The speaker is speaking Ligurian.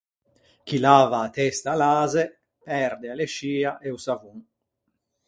Chi lava a testa à l’ase perde a lescia e o savon.